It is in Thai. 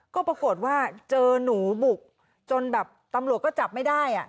ก็ปรากฏว่าเจอหนูบุกจนแบบตำรวจก็จับไม่ได้